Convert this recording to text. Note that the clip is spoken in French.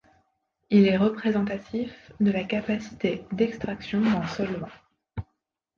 Il est représentatif de la capacité d'extraction d'un solvant.